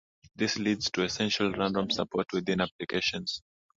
This leads to essentially random support within applications.